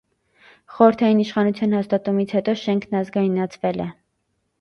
Խորհրդային իշխանության հաստատումից հետո շենքն ազգայնացվել է։